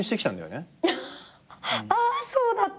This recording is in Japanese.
あーそうだった。